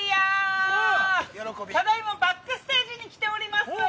ただいまバックステージに来ております。